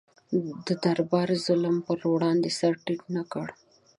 د دربار ظلم پر وړاندې سر ټیټ نه کړ.